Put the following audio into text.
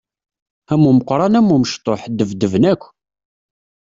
Am umeqqran am umecṭuḥ, ddbedben akk!